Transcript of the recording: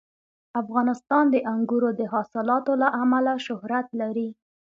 افغانستان د انګورو د حاصلاتو له امله شهرت لري.